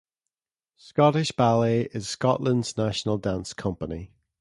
Scottish Ballet is Scotland's national dance company.